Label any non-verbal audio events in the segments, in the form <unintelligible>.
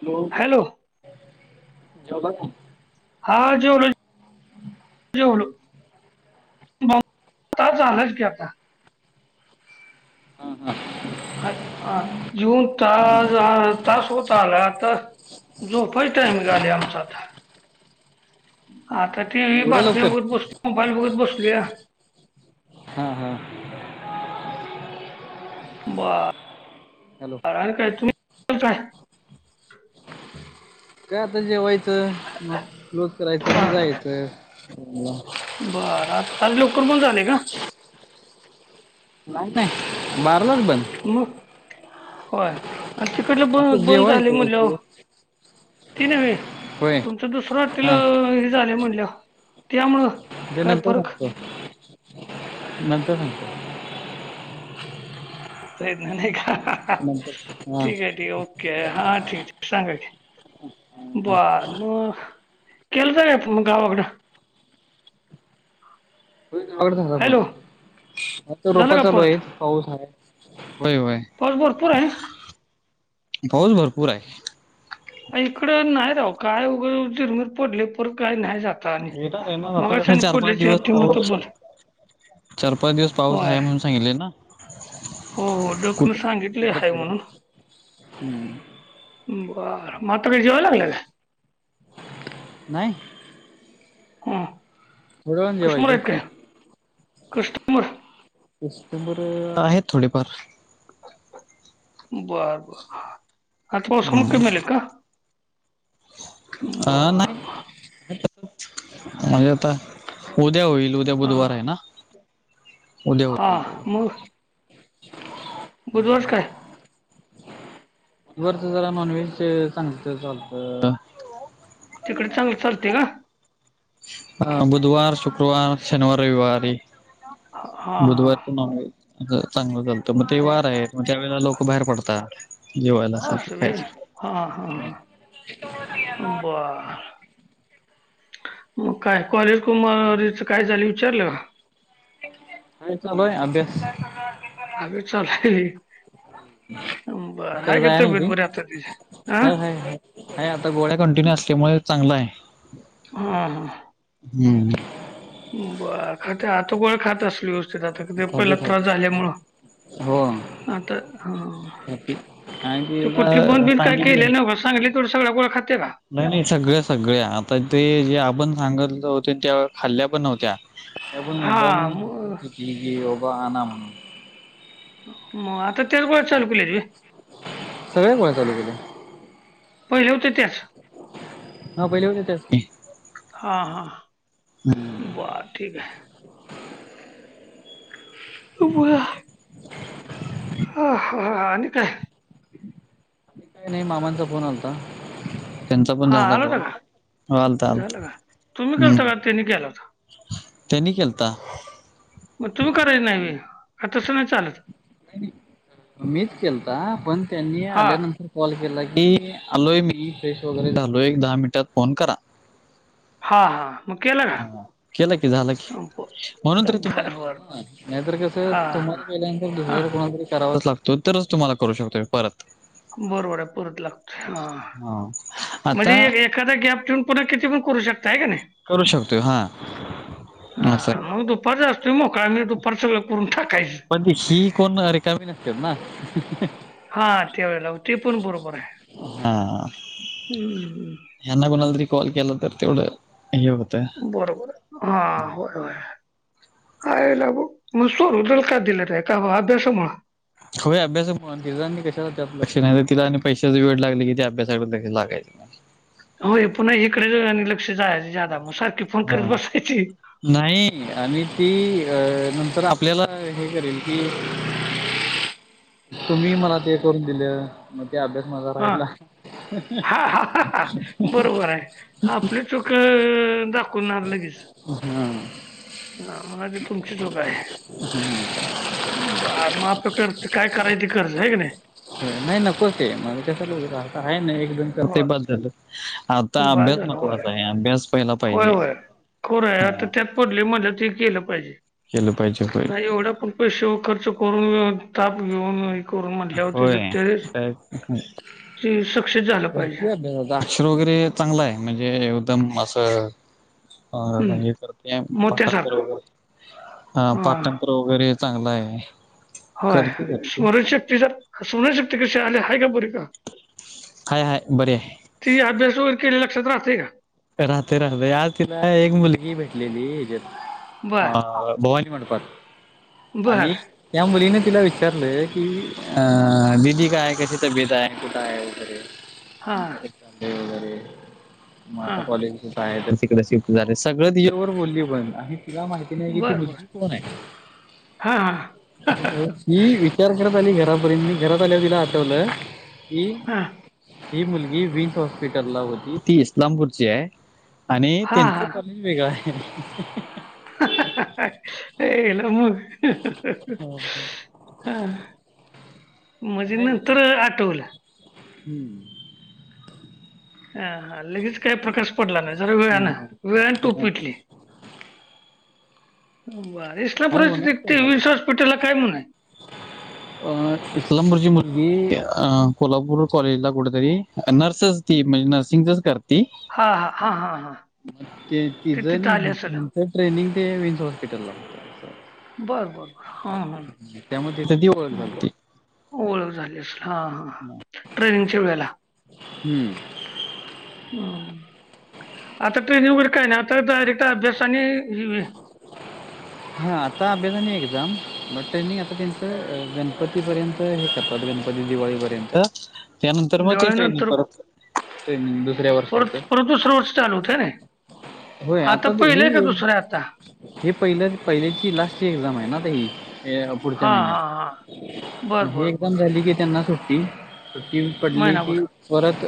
Hello जेवला का. हा जेवलो जेवलो. मग तास झाला च की आता हा हा. येऊन तास तास होत आला आता. झोपायच टाईमिंग आला आहे आमचा आता आता टीव्ही एवढ्या बातम्या लवकर बघत बसलो मोबाईल बघत बसलोया. हा हा. बा हॅलो. अर आणि काय तुम्ही काय काय आता जेवायचं मग क्लोज करायचं आणि जायचं. बर आज लवकर पण झाले का. नाही नाही बारलाच बंद म होय आणि तिकडलं ब आता बंद झालय जेवायचं म्हटल्यावर जेव ती नव्हे होय तुमचं दुसरं हॉटील, हा हे झालय म्हणल्यावर त्यामुळं ते काय नंतर फरक सांगतो. नंतर सांगतो. सांगितल नाही का? नंतर हा ठीक हाय, ठीक हाय ओके हा ठीक हाय, सांगा की- बार मंग, केलता काय फोन गावाकडं? आवघड झालं बघ. हॅलो आता झालं रोपा का चालू परत हायित, पाऊस हाय, होय होय. पाऊस भरपूर हाय. पाऊस भरपूर हाय. इकडं नाही राव. काय उगच झीरमीर पडलय, परत काही नाही झाल. येणार हाये मग, आता कस चार पाच दिवस ते मात्र पाऊस बन चार पाच दिवस पाऊस होय हाय म्हणून सांगितले ना. हो हो डक न कुठे पडेल सांगितले तिकडे हाय पडेल म्हणून हम्म, बार मग, आता काय जेवाय लागलाय काय? नाही. हुं. थोड्या वेळानं जेवायचं. कस्टमर कस्टमर आहेत थोडेफार. बर बर, आता मोसंबी कमी हम्म आलेत का? अ नाही, बर बर म्हजे आता उद्या होईल उद्या उदया हां बुधवार आहे ना, उद्या हां होईल. मग बुधवारच काय? बुधवारच जरा नॉनव्हेज चांगलं चालत. तिकडे चांगलं चालतय का? अ बुधवार, शुक्रवार, शनिवार, रविवारी. हा हा बुधवारच नॉनव्हेज चांगलं चालतं. मग ते ब- वार आहेत, मग त्यावेेळेला लोक बाहेर पडतात. जेवायसाठी, असं व्हय खायायसाठी बरं. मग काय? कॉलेज कुमारीच काय झालंय विचारलं का? काय चालू हाय अभ्यास अभ्यास चालू हाय, व्हय हम बरं, काय हाय का जाया तब्येत बरी आता तिची? हां. नाही आता गोळ्या कंटिन्यू असल्यामुळे चांगलय. उहु हू. हम्म <unintelligible> बरं, ती आता गोळ्या खात असल व्यवस्थित आता, पहिला खाते त्रास खाते झाल्यामुळ. हो आता, हा आणि तू तिला कुठले पन बिन काय सांगितले केलय नवस सांगली तेवढ्या सगळ्या गोळ्या खाती काय? नाही नाही, सगळ्या सगळ्या, आता ते जे आपण सांग होते, त्या खाल्ल्या पण नव्हत्या पण मुद्दा हा म्हून मग म्हणली की, बाबा आना म्हणून म आता, त्याच गोळ्या चालू केल्यास व्हय. सगळया गोळ्या चालू केेल्या. पहिल्या होत्या त्याच हा पहिल्या होत्या त्याच की हा हा. बर ठीक हाय. बोला. हा हा हा आणि काय? नाही मामांचा फोन आलता. त्यांचा पण हां, झाला आला होता कॉल. का? हां. आलता झालं आलता. का? तुम्ही केलता हम्म का त्यांनी केला होता? त्यानी केलता. मग तुम्ही करायच नाहीये. का तसं नाही चालत? मीच केलता. पण त्यांनी हां, आल्यानंतर- कॉल केला की. आलोय मी फ्रेश वगैरे झालोय. दहा मिनटात फोन करा. हा हा. हा. केला की झाला की. ब म्हणून तर बरं, तुम्हाला बरं, केला बरं. ना? नाहीतर कस हां, हां. तुम्हाला केल्यानंतर दुसऱ्याला हां, कोणालातरी करावाच लागतो. नंतरच तुम्हाला करू शकतोय परत. बरोबर आहे. परत लागतो हा. हा. म्हणजे आता एक एक- एखादा गॅप ठेऊन पुन्हा किती पण करू शकता आहे का नाही? करू शकतोय हा. असय. हां, <unintelligible> असतोय मोकळा मी दुपार सगं करून ठाकायचं. पण <unintelligible> कोण रिकामी नसतात ना? हा. त्यावेेळेला ते पण बरोबर आहे. हम्म. यांना कोणाला तरी कॉल केला तर तेवढं हे होतं. बरोबर. हा होय होय. काय लागू? मस्त <unintelligible> दिलं त आहे का अभ्यासामुळे? होय अभ्यासामुळं. तिज आनी कशा लक्ष नाही. तिला आनी पैशाच वेड लागलय की ते अभ्यासाकडे क लागाय- होय. पुन्हा एककडे जा आणि लक्ष जा जादा मग सारखी फोन करत हा. बसायची. नाही. आणि ती अ नंतर आपल्याला हे करेल की- तुम्ही मला ते करून दिल. म्हणते ते अभ्यास माझा हा राहिला. हा हा हा हा ते दाखऊन आण लगेच. हम्म. हं. म्हणा ती तुमची चूक आहे. ब माफ करते. काय करायच ते कर आहे का नाही? नाही नको ते. म्हणजे कशाला उगाच? आता आहे ना एक दोन करते बास झालं. हो आता बा अभ्यास महत्त्वाचा आहे. अभ्यास पहिला पाहिजे. हो ना. आता हा त्यात पडलीये म्हणल्यावर ते केलं पाहिजे. केलं पाहिजे होय नाही एवढं पण- पैसेे व खर्च करून ताप घेऊन- करून म्हटल्यावर त्याच होय त्यावेळेस काय सक्सेस झालं पाहिजे. करते अभ्यासाचा अक्षर वगैरे चांगल आहे. म्हणजे एकदम असं- हम्म <unintelligible> करतेया पाठांतर मोत्यासारखा वगैरे. हं हां, पाठांतर- वगैरे चांगल आहे. होय. करते करते स्मरणशक्ती जर स्मरणशक्ती कशी आले का? आहे बरी का? हाय हाय बरी हाय. ती अभ्यास वगैरे केलेला लक्षात राहतोय का? राहतोय. राहतोय. आज तिला एक मुलगी भेटलेली याच्यात - बर, आ. भवानी मंडपात बर. आणि- त्या मुलीने तिला विचारलं की, अ- दिदी काय कशी तब्येत आहे? कुठं आहे वगैरे. हा. जाते वगैरे. मग आता हां. कॉलेजच काय? तर ती क शिफ्ट झा सगळं तिच्याबरोबर बोलली पण. आणि तिला माहिती- नाही कि ती बर, बर. मुलगी कोण आहे? हां, हां. ही विचार करत आली घरापर्यंत, मी घरात आल्यावर तिला आठवलं की हां. ही मुलगी विनस हॉस्पिटलला होती, ती इस्लामपूरची आहे. आणि हां, त्यांचं हां. कॉलेज वेगळं आहे. <unintelligible> मग हा हा. हा. काय हे, ग आठवलं. हम् अ लगेच काय प्रकाश पडला नाही, जरा वेळान, वेळान टूप पीटली. बर, इस्लामपुरात <unintelligible> विनस हॉस्पिटलला काय म्हण <inaudible> अ इस्लामपूरची मुलगी, अ कोल्हापूर कॉलेजला कुठेतरी, नर्सेस ती म्हणजे नर्सिंगचच करती हा हा हा हा हा. ते तिचं नी हिज ट्रेनिंग ते विन्स हॉस्पिटलला आहे. बर बर बर, हा त्यामुळे तिथं ती ओळख झाली ह. होती. ओळख झाली असल, हा हा ट्रेनिंगच्या वेळेला. हम्म. आता ट्रेनिंग वगैरे काय नाही, आता डायरेक्ट अभ्यास हा, आता अभ्यास आणि एक्झाम, ट्रेनिंग आता त्यांचं गणपतीपर्यंत गणपती दिवाळीपर्यंत त्यानंतर मग ते ट्रेनिंग दिवाळीनंतर परत, ट्रेनिंग दुसऱ्या वर्षाचं. दुसर वर्ष चालू होतंय होय, आता ही एक आहे आता हे पहिलं पहिल्याची लास्टची एक्झाम आहे ना, आता ही, ते पुढच्या हां महिन्यात हां हां बर हे बर बर एकझाम झाली की त्यांना सुट्टी. सुटी पडली की, महिनाभर परत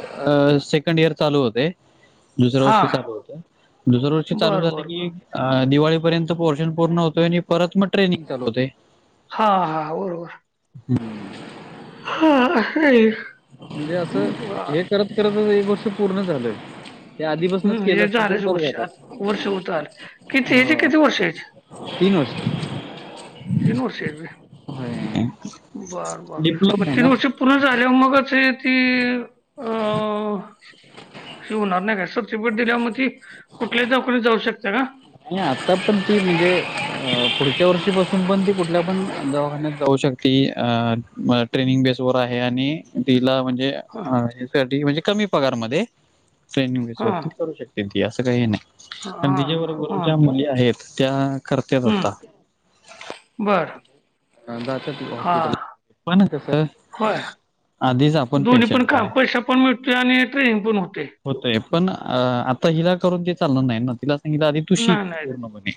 सेकंड इयर चालू होते. दुसऱ्या वर्षी हां चालू होतय, दुसर्या वर्षी चालू बर झालं बर की दिवाळीपर्यंत पोर्शन पूर्ण होतोय, आणि परत मग ट्रेनिंग चालू होतय. हा हा, होय होय. हम्म. हा <unintelligible> म्हणजे असं, हे करत करतच एक वर्ष पूर्ण झालंय. ते आधीपासूनच हं, केलं हे असत तर, झालंच बरं वर्ष झालं आत- असतं. वर्ष होत आलं किती ह्याचे किती वर्ष आहेत तीन वर्षे तीन वर्षे हायत होय? होय. बर बर, मग डिप्लोमा आहे तीन ना वर्ष पुरन झाल्यावर मगच हे ती अ, ये होणार नाही का ट दिल्या म कुठल्याही दवाखान्यात जाऊ शकत्या का? नाही आता पण ती म्हणजे, अ पुढच्या वर्षीपासून पण ती कुठल्या पण दवाखान्यात जाऊ शक ती अ ट्रेनिंग बेस वर आहे, आणि तिला म्हणजे हां ह यासाठी म्हणजे कमी पगारमध्ये, ट्रेनिसबेस वरती करू शकते ती असं काही नाही. हा. कोणाच्या मुली आहेत त्या, करत्यात आता. हं बर हा जात्या ते हां हॉस्पिटला, कोनांक सर? होय. आधी जा आप दोन्ही पण काम, पैशा पण वाढतोय आणि ट्रेनिंग पण होतये. होतय, पण आता हिला करून ते चालनार नाही ना? तिला तिला आदी तूशिक, नाही नाही पूर्णपणे.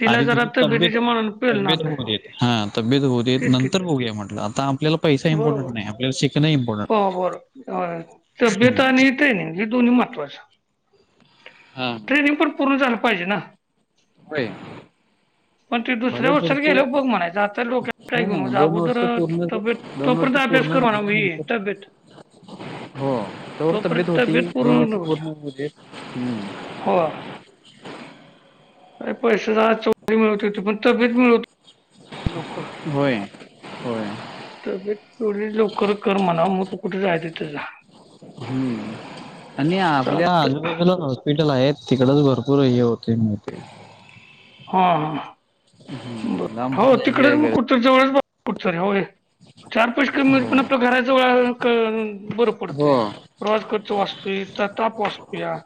तिला आधी जरा तुझी तब्येत, तब्येतीच्या मनानं पेलणार तब्येत नाही होऊ देत, हा तब्येत होऊदेत तेच की नंतर बघूया म्हटलं आता आपल्याला पैसा इम्पॉर्टन्ट बरोबर नाही, आपल्याला शीकन इम हो बर-बरं तब्यत आणि ट्रेनिंग हे दोन्ही महत्त्वाचं. हा. ट्रेनिंग पण पूर्ण झालं पाहिजे ना? <unintelligible> पण ते भले दुसऱ्या वर्षाला पुढचं, गेल्यावर बघ म्हणायचं आता डोक्यात काय घेऊन हां म्हणजे दोन अगोदर वर्ष पूर्ण ज तब्येत दोन तोपर्यंत वर्ष अभ्यास पूर्ण कर म्हणा झाल्या मी नंतर तब्येत हो त्यावर तोपर्यंत तब्येत होती, दोन पूर्ण वर्ष होईल पूर्णज होउ देत, ह्म. हो, काय पैसे आज उद्या मिळवता येते, पण तब्येत मिळवत लोकर. होय, होय. तब्येत तेवडी लवकर कर म्हणाव, मग तू कुठे जायचं ते जा. हम्म आणि आपल्या चालतंय आजूबाजूलाच हॉस्पिटल आहेत, तिकडच भरपूर हे होतये म ते. हम हम ब हम्म लांब पण हो जायची तिकडेच, काय मग गरज कुठतरी, जवळच कुठतरी होरे. चार-पाच कमी पण होय आपल्या घराच जवळ आलं ना बर पडत हो या. प्रवास खरंच वाचतोय, तर ताप वाचतोया.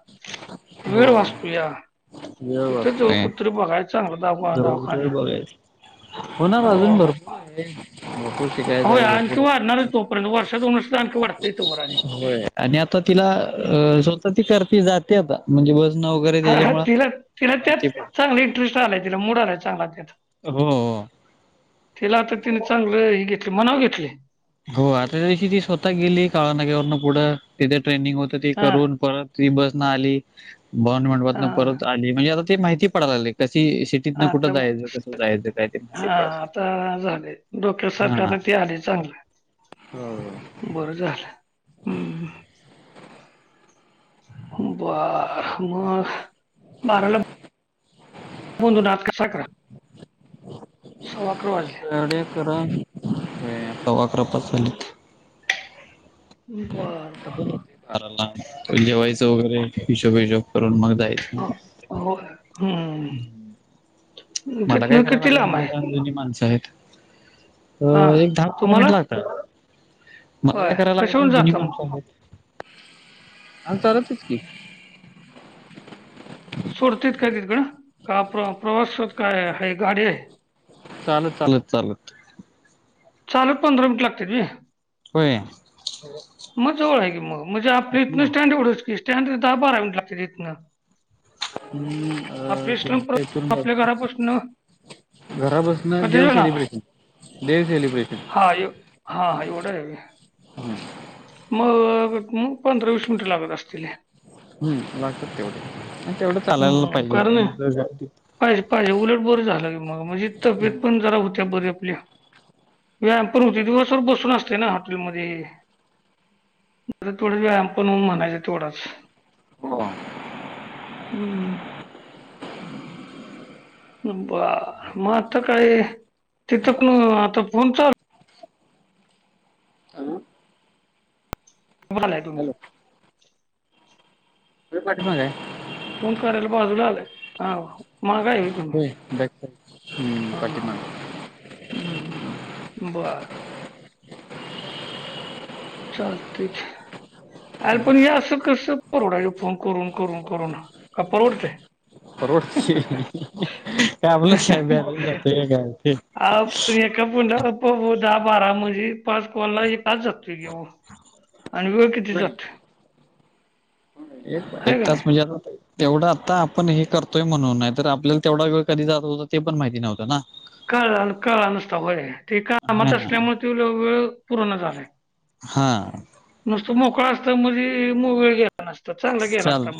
वेळ हो वाचतोया, वेळ तिथं जवळ वाचतोय कुठ तर बघाय चांगलं दवख जवळ कुठेतरी दवाखाना, बघायचं. हो ना हॊ अजून हो. भरपूर आहे भरपूर शिकाया जायेल पुढ. तर वर्षो दोन वर्षाचं आन वाड ते तवर आणि हो आणि आता तिला हम्म. अ स्वत ती करती जात ते आता, म्हणजे वजणं वगैरे हा, त्याच्यामुळ, माहिती प इच आलाय तिला मूड आलाय चांगला त्याचा. हो हो. तिला आता तिनं चांगलं हे घेतलं, मनाव घेतलय. हो आता त्या दिवशी ती स्वतः गेली काळनाग्यावरन पुढं, तिथे ट्रेनिंग होत ते हा करून परत. ती बसन आली हा <unintelligible> परत आली, म्हणजे आता ते माहिती पडायला लागले, कशी शी तिथन कुठं आता मग जायचं? कसं जायचं? काय ते माहीती हा पड आता झाले डोक्यासारखं हन. आता ते आले चांगलं हो. बरं झालं, हम. बर मग, बाराला <unintelligible> नाद कसा करा, सव्वा अकरा वाजले. तर सवा अकरा पाच झालेत. बर बर. पण बाराला त जेवायचं वगैरे, हिशोब बीशोब करून, मग जायचं. अ होय हम्म. मला काय तिथनं करायला किती लागत लांब नाही, आहे कारण जुनही माणसं आहेत. हा एक दहा पंधरा तुम्हाला मिनिट लागतात. मला होय काय करायला लागत कशाहून नाही जुनी जाता मग माणसं आहेत. तुम्ही आम्ही चालतच की. सोडतात काय तिथं? आणि का प्रवासात काय ह गाडी आहे? चालत चालत चालत. चालत पंधरा मिनट लागत्यात होय. व्हय मग जवळ आहे. की मग म्हणजे आपली इतनं स्टँड एवढस की स्टँड दहा बारा मिनिट लागते इतन. हम्म अ इस्लाम परत आपल्या अ घरापासून <unintelligible> घरा बसनं कधी देव वेळ लांब आहे सेलिब्रेशन देव सेलिब्रेशन हा य हा हा एवढं आहे. मग मग पंधरा वीस मिनिट लागत. असतील हम् लागतात तेवढे, तेवढं चालायला हम्म, कारण पाहिजे पाहिजे पाहिजे, उलट बरं झालं. मग म्हणजे तब्येत पण जरा होत्या बरी आपल्या व्यायाम पण होतोय. दिवसभर बसून असतोय ना हॉटेलमध्ये आपलं थोड व्यायाम पण म्हणायचं. तेवढाच हो हम्म <unintelligible> बर, मग आता काही तिथ न आता फोन चालू हॅलो कोण बोललाय तुम्ही? हॅलो तुझ्या पाठीमागे आहे. फोन करायला बाजूला आलाय ह माग हाय होय तु बॅक साईड हम्म हा पाठीमाग. ह हम् हम् बर चालतंय की, अरे पण हे असं कसं परवडायचं, फोन करून करून करून का परवडतय <unintelligible> अ पण एका फोनला दहा - बारा म्हणजे, पाच कॉल एक तास जातोय की मग आणि वेळ किती जातोय. आहे एक का तास नाही म्हणजे, आता तेवढं आता आपण हे, करतोय म्हणून नाही तर आपल्याला तेवढा वेळ कधी जात होता. ते पण माहिती नव्हतं. ना कळालं कळालं आला नसता होय, ते कामात हा असल्यामुळे तुला वेळ पूरना झालाय. हा नुसतो मोकळा असतं, म्हणजे मोकळा गेला नसत. चांगला गेला असता चाल